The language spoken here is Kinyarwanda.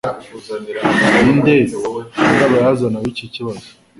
Ninde nyirabayazana w'iki kibazo?